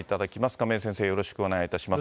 亀井先生、よろしくお願いします。